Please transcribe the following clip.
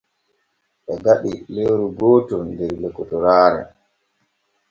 Ɓe gaɗi lewru gooton der lokotoraare.